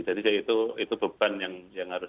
jadi itu beban yang harus